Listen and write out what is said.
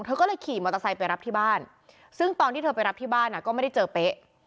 เธอก็เลยขี่มอเตอร์ไซค์ไปรับที่บ้านซึ่งตอนที่เธอไปรับที่บ้านก็ไม่ได้เจอเป๊ะ